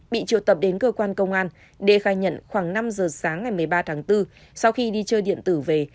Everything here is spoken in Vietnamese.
bị triều tập đến cơ quan công an d khai nhận khoảng năm giờ sáng ngày một mươi ba tháng bốn sau khi đi chơi điện tử về